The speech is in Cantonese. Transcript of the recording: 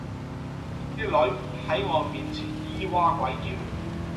啲女喺我面前咿哇鬼叫